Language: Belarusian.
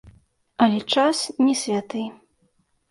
Але час не святы.